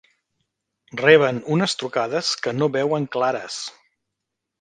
Reben unes trucades que no veuen clares.